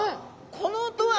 この音は！